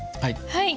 はい。